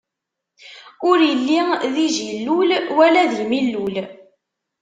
Ur illi di jillul, wala di millul.